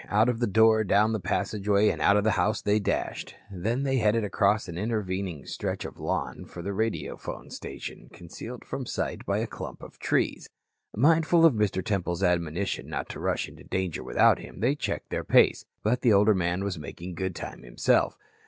Out of the door, down the passageway, and out of the house, they dashed. Then they headed across an intervening stretch of lawn for the radiophone station, concealed from sight by a clump of trees. Mindful of Mr. Temple's admonition not to rush into danger without him, they checked their pace. But the older man was making good time himself.